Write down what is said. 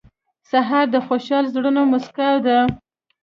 سهار د خوشحال زړونو موسکا ده.